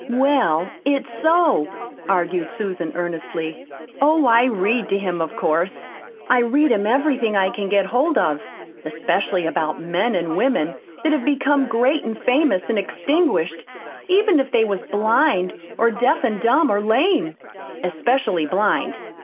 "Well, it's so," argued Susan earnestly. "Oh, I read to him, of course. I read him everything I can get hold of, especially about men an' women that have become great an' famous an' extinguished, even if they was blind or deaf an' dumb, or lame especially blind.